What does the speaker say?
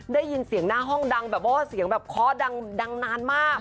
ได้ยินเสียงหน้าห้องดังแบบว่าเสียงแบบเคาะดังนานมาก